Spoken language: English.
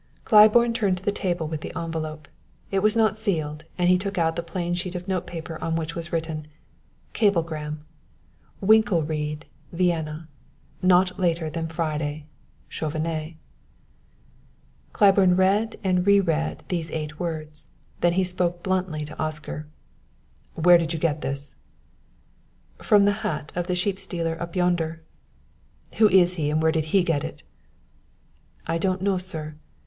Claiborne turned to the table with the envelope. It was not sealed, and he took out the plain sheet of notepaper on which was written: CABLEGRAM WlNKELRIED, VIENNA. Not later than Friday. CHAUVENET. Claiborne read and re read these eight words; then he spoke bluntly to Oscar. "Where did you get this?" "From the hat of the sheep stealer up yonder." "Who is he and where did he get it?" "I don't know, sir.